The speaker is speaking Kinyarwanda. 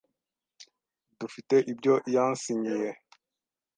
Dufite ibyo yasinyiye.